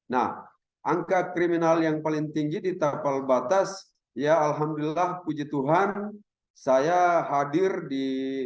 nah angka kriminal yang paling tinggi di tapal batas ya alhamdulillah puji tuhan saya hadir di